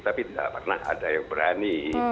tapi tidak pernah ada yang berani